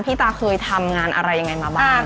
ตาเคยทำงานอะไรยังไงมาบ้าง